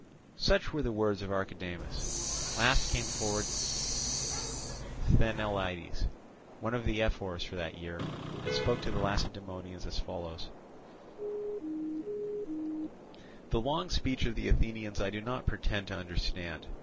Such were the words of Archidamus. Last came forward Sthenelaidas, one of the ephors for that year, and spoke to the Lacedaemonians as follows: "The long speech of the Athenians I do not pretend to understand.